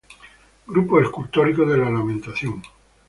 Grupos escultóricos de la lamentación sobre Cristo muerto